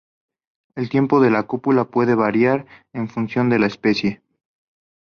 El tiempo de la cópula puede variar en función de la especie.